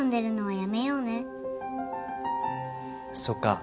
そっか。